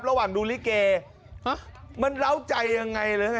ระหว่างดูลิเกมันเล่าใจยังไงเลย